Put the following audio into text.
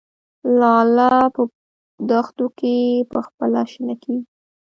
لاله په دښتو کې پخپله شنه کیږي